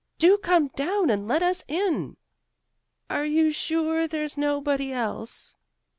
"Do come down, and let us in." "Are you sure there's nobody else."